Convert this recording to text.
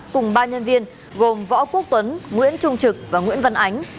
cùng ba nhân viên gồm võ quốc tuấn nguyễn trung trực và nguyễn văn ánh